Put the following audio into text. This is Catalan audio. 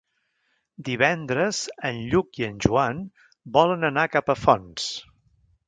Divendres en Lluc i en Joan volen anar a Capafonts.